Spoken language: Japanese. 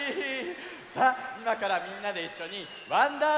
さあいまからみんなでいっしょに「わんだぁ！